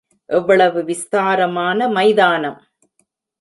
எவ்வளவு விஸ்தாரமான மைதானம்?